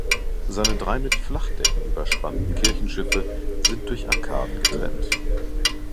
Seine drei mit Flachdecken überspannten Kirchenschiffe sind durch Arkaden getrennt.